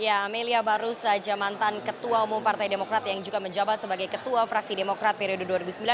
ya amelia barus jaman jaman ketua umum partai demokrat yang juga menjabat sebagai ketua fraksi demokrat periode dua ribu sembilan dua ribu sepuluh